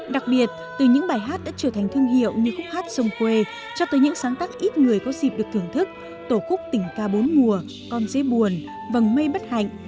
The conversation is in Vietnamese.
đặc biệt từ những bài hát đã trở thành thương hiệu như khúc hát sông khuê cho tới những sáng tác ít người có dịp được thưởng thức tổ khúc tình ca bốn mùa con dễ buồn vầng mây bất hạnh